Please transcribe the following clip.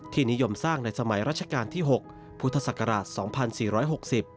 ที่นิยมสร้างในสมัยรัชกาลที่๖พุทธศักราช๒๔๖๐